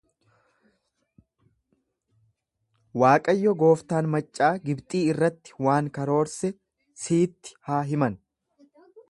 Waaqayyo gooftaan maccaa Gibxii irratti waan karoorse siitti haa himan.